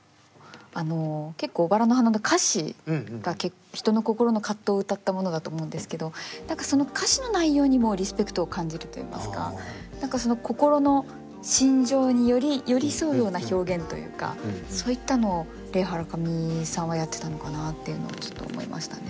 あの結構「ばらの花」の歌詞が人の心の葛藤を歌ったものだと思うんですけど何かその歌詞の内容にもリスペクトを感じるといいますか何かその心の心情により寄り添うような表現というかそういったのをレイ・ハラカミさんはやってたのかなっていうのをちょっと思いましたね。